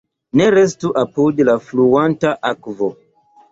Ne restu apud la fluanta akvo.